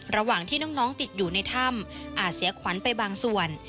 ระหว่างที่น้องติดอยู่ในถ้ำอาจเสียขวัญไปบางส่วน